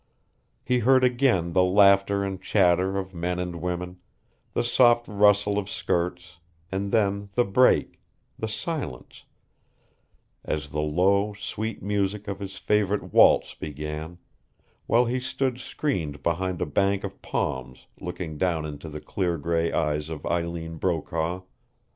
He heard again the laughter and chatter of men and women, the soft rustle of skirts and then the break, the silence, as the low, sweet music of his favorite waltz began, while he stood screened behind a bank of palms looking down into the clear gray eyes of Eileen Brokaw.